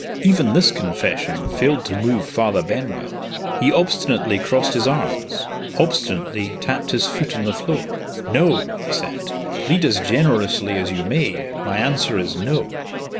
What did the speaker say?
Even this confession failed to move Father Benwell. He obstinately crossed his arms, obstinately tapped his foot on the floor. "No!" he said. "Plead as generously as you may, my answer is, No."